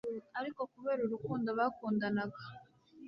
ariko kubera urukundo bakundanaga